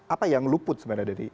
apa yang luput sebenarnya denny